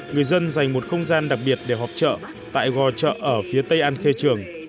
người dân dành một không gian đặc biệt để họp chợ tại gò chợ ở phía tây an khê trường